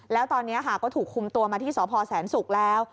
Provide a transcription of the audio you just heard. แล้วตอนนี้ก็ถูกคุมตัวมาที่สศสารสุขแล้ว